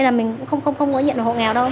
là mình cũng không có nhận được hộ nghèo đâu